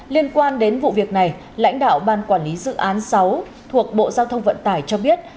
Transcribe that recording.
liên quan đến vụ việc này lãnh đạo ban quản lý dự án sáu thuộc bộ giao thông vận tải cho biết